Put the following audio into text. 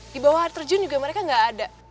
di bawah arus terjun juga mereka tidak ada